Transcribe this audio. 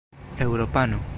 eŭropano